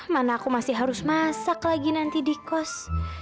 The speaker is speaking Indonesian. mana aku masih harus masak lagi nanti di kos